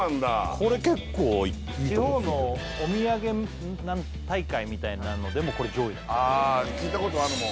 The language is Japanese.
これ結構いいと地方のお土産大会みたいなのでもこれ上位あ聞いたことあるもん